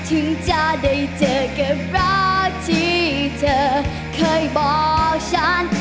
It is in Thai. ถึงจะได้เจอกับรักที่เธอเคยบอกฉัน